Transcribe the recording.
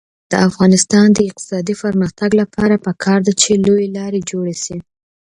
د افغانستان د اقتصادي پرمختګ لپاره پکار ده چې لویې لارې جوړې شي.